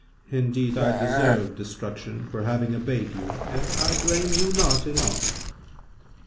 Indeed I deserve destruction for having obeyed you, and I blame you not in aught."